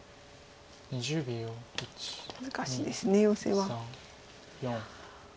難しいですヨセは。いや。